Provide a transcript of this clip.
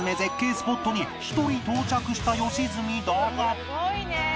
スポットに一人到着した良純だが